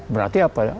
berarti apa ya